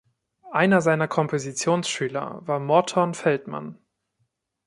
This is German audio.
Einer seiner Kompositionsschüler war Morton Feldman.